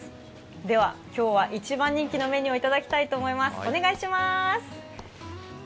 では今日は一番人気のメニューをいただきたいと思います。